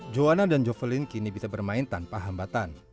joanna dan jovelyn kini bisa bermain tanpa hambatan